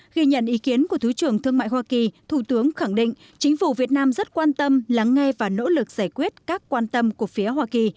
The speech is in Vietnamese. ghi nhận ý kiến của thứ trưởng thương mại hoa kỳ thủ tướng khẳng định chính phủ việt nam rất quan tâm lắng nghe và nỗ lực giải quyết các quan tâm của phía hoa kỳ